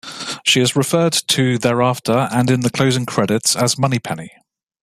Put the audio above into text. She is referred to thereafter, and in the closing credits, as Moneypenny.